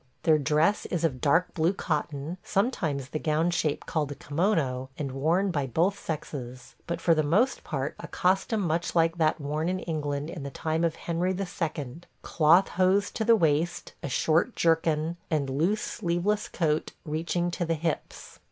Their dress is of dark blue cotton; sometimes the gown shape called a kimono, and worn by both sexes; but for the most part a costume much like that worn in England in the time of Henry II. – cloth hose to the waist, a short jerkin, and loose sleeveless coat reaching to the hips.